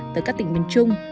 từ các tỉnh miền trung